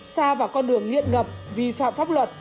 xa vào con đường nghiện ngập vi phạm pháp luật